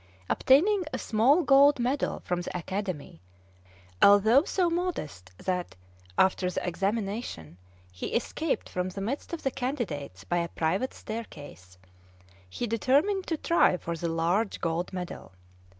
Obtaining a small gold medal from the Academy, although so modest that, after the examination, he escaped from the midst of the candidates by a private staircase, he determined to try for the large gold medal.